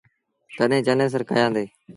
تڏهيݩ چنيسر ڪيآندي ۔